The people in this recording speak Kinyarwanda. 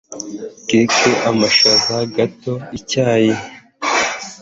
keke, amashaza, gato, icyayi,